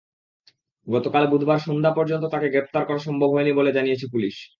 গতকাল বুধবার সন্ধ্যা পর্যন্ত তাঁকে গ্রেপ্তার করা সম্ভব হয়নি বলে জানিয়েছে পুলিশ।